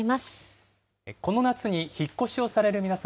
この夏に引っ越しをされる皆様。